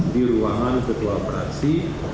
di ruangan ketua operasi